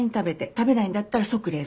食べないんだったら即冷凍。